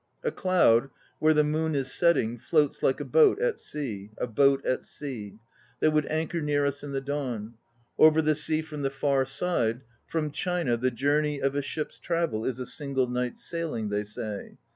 A cloud, where the moon is setting, Floats like a boat at sea, A boat at sea That would anchor near us in the dawn. Over the sea from the far side, From China the journey of a ship's travel Is a single night's sailing, they say.